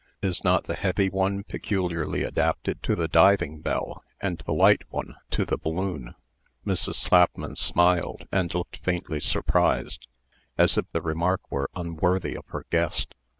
Is not the heavy one peculiarly adapted to the diving bell, and the light one to the balloon?" Mrs. Slapman smiled, and looked faintly surprised, as if the remark were unworthy of her guest.